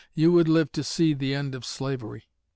You would live to see the end of slavery."